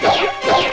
gue b membunuhmu